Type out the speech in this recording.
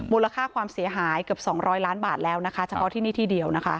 มูลค่าความเสียหายเกือบ๒๐๐ล้านบาทแล้วนะคะเฉพาะที่นี่ที่เดียวนะคะ